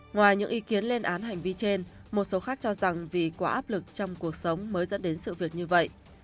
ngoài những ý kiến lên án hành vi trên một số khác cho rằng vì quả áp lực trong cuộc sống mới dẫn đến sự việc như vậy